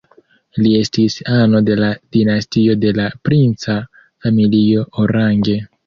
Li estis ano de la dinastio de la princa familio Orange.